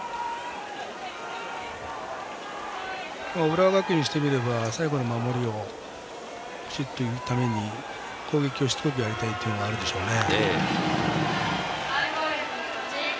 浦和学院にしてみれば最後の守りをきちっといくために攻撃をしつこくやりたいというのがあるでしょうね。